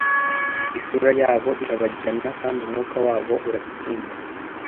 isura yabo irabagirana kandi umwuka wabo uratsinda